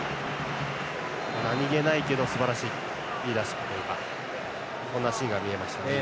何気ないけど、すばらしいリーダーシップというかそんなシーンが見えましたね、今。